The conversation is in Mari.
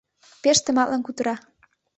Пеш тыматлын кутыра.